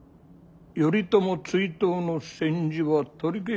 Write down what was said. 頼朝追討の宣旨は取り消しじゃ。